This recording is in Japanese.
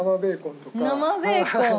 生ベーコン。